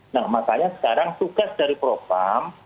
nah makanya sekarang tugas dari propam